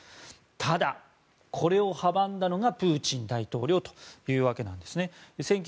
ただ、これを阻んだのがプーチン大統領というわけです。